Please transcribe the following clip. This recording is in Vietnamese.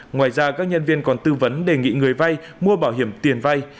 ngoài ra các nhân viên còn tư vấn đề người vay mua bảo hiểm tiền vay